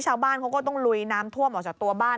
ชาวบ้านเขาก็ต้องลุยน้ำท่วมออกจากตัวบ้าน